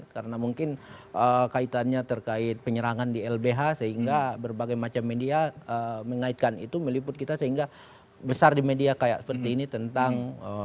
karena mungkin kaitannya terkait penyerangan di lbh sehingga berbagai macam media mengaitkan itu meliput kita sehingga besar di media kayak seperti ini tentang